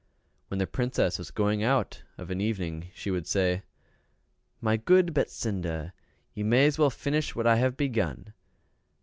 When the Princess was going out of an evening she would say, "My good Betsinda, you may as well finish what I have begun."